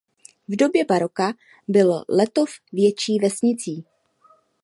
V době baroka byl Letov větší vesnicí.